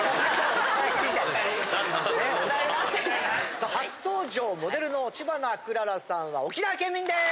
さあ初登場モデルの知花くららさんは沖縄県民です。